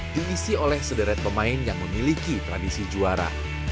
diisi oleh sederet pemain yang memiliki tradisi juara